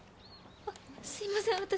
あっすいません私。